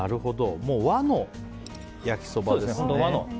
もう和の焼きそばですね。